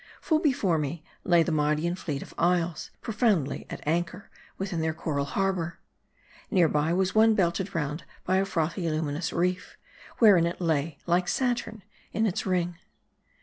Full be fore me, lay the Mardian fleet of isles, profoundly at anchor within their coral harbor. Near by was one belted round by a frothy luminous reef, wherein it lay, like Saturn in its ring.